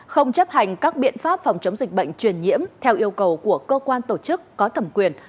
không chấp hành các biện pháp phòng chống dịch bệnh truyền nhiễm theo yêu cầu của cơ quan tổ chức có thẩm quyền